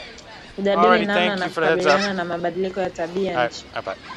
kujadili namna ya kukabiliana na mabadiliko ya tabia nchi